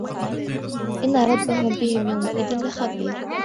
إن ربهم بهم يومئذ لخبير